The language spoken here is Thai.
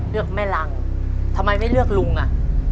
เลือกแม่รังทำไมไม่เลือกลุงอ่ะ